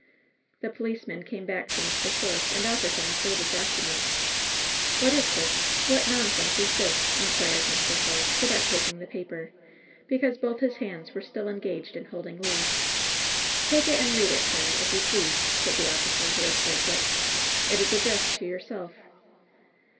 The policeman came back to Mr. Force and offered him a folded document. "What is this? What nonsense is this?'' inquired Mr. Force, without taking the paper, because both his hands were still engaged in holding Le. "Take it and read it, sir, if you please," said the offi cer who had served t. "It is addressed to yourself."